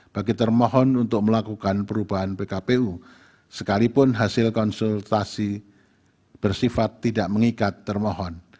bagi termohon untuk melakukan perubahan pkpu sekalipun hasil konsultasi bersifat tidak mengikat termohon